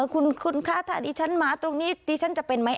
คุณคะถ้าดิฉันมาตรงนี้ดิฉันจะเป็นไหม